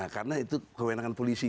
karena itu kewenangan polisi